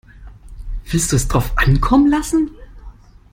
Willst du es drauf ankommen lassen?